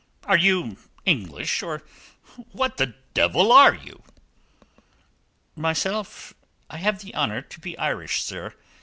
"Are you English, or what the devil are you?" "Myself, I have the honour to be Irish, sir.